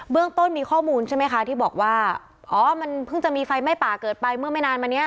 เรื่องต้นมีข้อมูลใช่ไหมคะที่บอกว่าอ๋อมันเพิ่งจะมีไฟไหม้ป่าเกิดไปเมื่อไม่นานมาเนี้ย